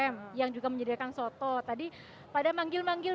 puji setelah oleh setelah ini